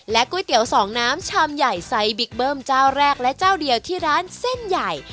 ก๋วยเตี๋ยวสองน้ำชามใหญ่ไซสบิ๊กเบิ้มเจ้าแรกและเจ้าเดียวที่ร้านเส้นใหญ่